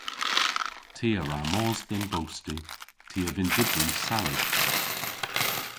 Ty a wra mos dhe'n bosti. Ty a vynn dybri salad.